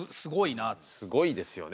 すごいですよね。